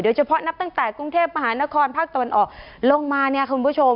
เฉพาะนับตั้งแต่กรุงเทพมหานครภาคตะวันออกลงมาเนี่ยคุณผู้ชม